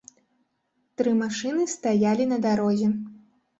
Тры машыны стаялі на дарозе.